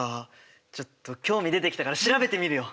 ちょっと興味出てきたから調べてみるよ！